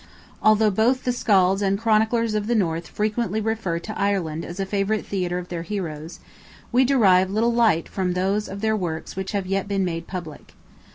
Although both the scalds and chroniclers of the North frequently refer to Ireland as a favourite theatre of their heroes, we derive little light from those of their works which have yet been made public.